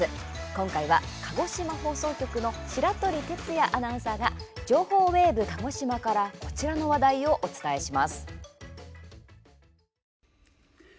今回は、鹿児島放送局の白鳥哲也アナウンサーが「情報ＷＡＶＥかごしま」からこちらの話題をお伝えします。